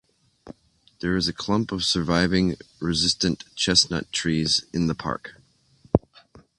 There is a clump of surviving resistant chestnut trees in the park.